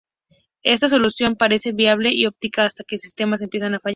Esta solución parece viable y óptima hasta que los sistemas empiezan a fallar.